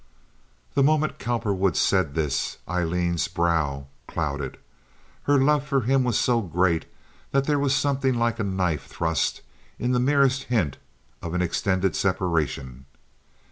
The moment Cowperwood said this Aileen's brow clouded. Her love for him was so great that there was something like a knife thrust in the merest hint at an extended separation.